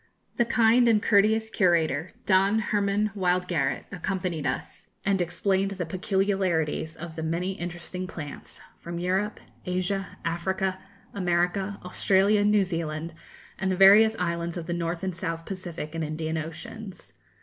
The kind and courteous Curator, Don Hermann Wildgaret, accompanied us, and explained the peculiarities of the many interesting plants, from Europe, Asia, Africa, America, Australia, New Zealand, and the various islands of the North and South Pacific and Indian Oceans.